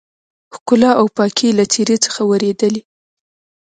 ښکلا او پاکي يې له څېرې څخه ورېدلې.